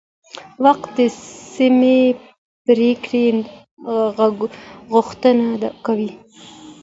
وخت د سمې پریکړې غوښتنه کوي